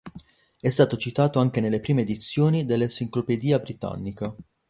È stato citato anche nelle prime edizioni dell'Encyclopædia Britannica.